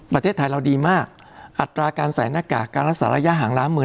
ประเทศไทยเราดีมากอัตราการใส่หน้ากากการรักษาระยะห่างล้างมือ